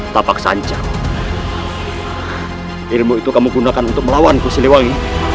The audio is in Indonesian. tapak sanjang ilmu itu kamu gunakan untuk melawan kursi lewangi